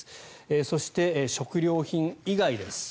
そして、食料品以外です。